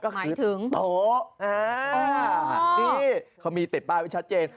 หมายถึงโต๊อ่านี่เขามีติดป้ายไว้ชัดเจน